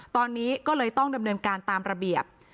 ตอนนี้ก็เลยต้องดำเนินการตามระเบียบ